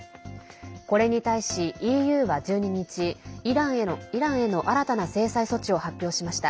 これに対し、ＥＵは１２日イランへの新たな制裁措置を発表しました。